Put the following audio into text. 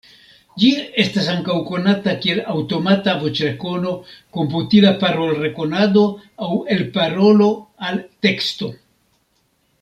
Ĝi estas ankaŭ konata kiel aŭtomata voĉrekono, komputila parolrekonado aŭ elparolo-alteksto.